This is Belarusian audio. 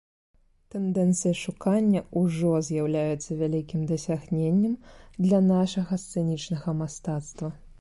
Тэндэнцыя шукання ўжо з'яўляецца вялікім дасягненнем для нашага сцэнічнага мастацтва.